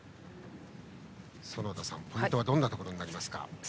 園田さん、ポイントはどんなところですか。